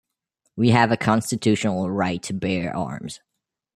We have a constitutional right to bear arms.